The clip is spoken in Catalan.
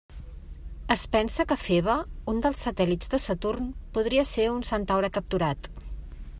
Es pensa que Febe, un dels satèl·lits de Saturn, podria ser un centaure capturat.